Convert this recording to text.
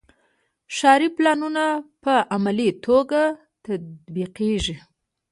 ښاري پلانونه په عملي توګه تطبیقیږي.